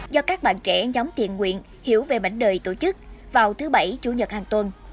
do các bạn trẻ nhóm thiện nguyện hiểu về mảnh đời tổ chức vào thứ bảy chủ nhật hàng tuần